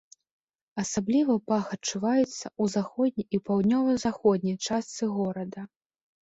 Асабліва пах адчуваецца ў заходняй і паўднёва-заходняй частцы горада.